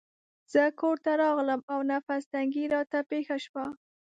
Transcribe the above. زه کورته راغلم او نفس تنګي راته پېښه شوه.